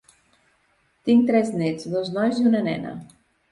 Tinc tres néts, dos nois i una nena.